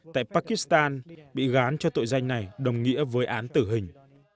tại pakistan bị gán cho tội danh này đồng nghĩa với án tử hình